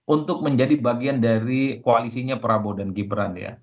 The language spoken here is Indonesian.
untuk menjadi bagian dari koalisinya prabowo dan gibran ya